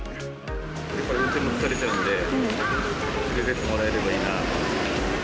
やっぱり、運転も疲れちゃうんで、連れてってもらえればいいかなと。